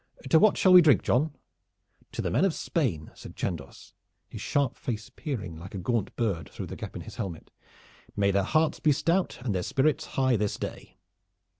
To what shall we drink, John?" "To the men of Spain," said Chandos, his sharp face peering like a gaunt bird through the gap in his helmet. "May their hearts be stout and their spirits high this day!"